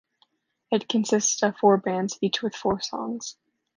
It consists of four bands, each with four songs.